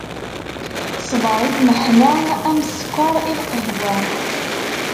Ṣṣbeṛ i lmeḥna, am sskeṛ i lqahwa.